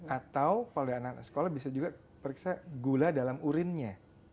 atau kalau anak anak sekolah bisa juga periksa gula dalam urinnya